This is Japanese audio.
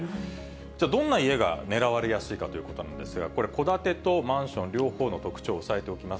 じゃあ、どんな家が狙われやすいかということなんですが、これ、戸建てとマンション、両方の特徴を押さえておきます。